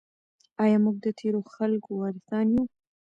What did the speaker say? آیا موږ د تیرو خلګو وارثان یو؟